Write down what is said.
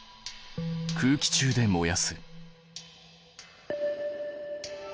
１空気中で燃やす。